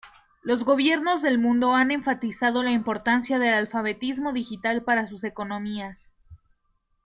Los gobiernos del mundo han enfatizado la importancia del alfabetismo digital para sus economías.